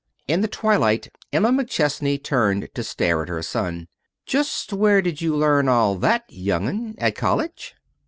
In the twilight Emma McChesney turned to stare at her son. "Just where did you learn all that, young 'un? At college?"